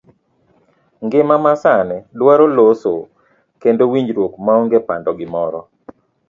Ngima ma sani dwaro loso kendo winjruok maonge pando gimoro.